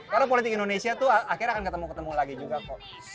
karena politik indonesia tuh akhirnya akan ketemu ketemu lagi juga kok